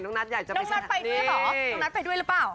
น้องนัทไปด้วยหรอน้องนัทไปด้วยหรือเปล่า